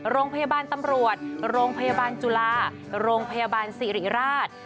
โรงพยาบาลตำรวจโรงพยาบาลจุฬาโรงพยาบาลสิริราช